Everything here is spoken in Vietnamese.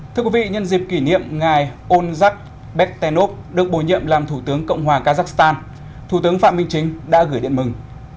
thưa quý vị nhân dịp kỷ niệm ngày onzak bektenov được bồi nhiệm làm thủ tướng cộng hòa kazakhstan thủ tướng phạm minh chính đã gửi điện mừng